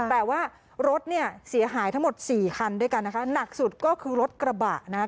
แต่ว่ารถเนี่ยเสียหายทั้งหมดสี่คันด้วยกันนะคะหนักสุดก็คือรถกระบะนะคะ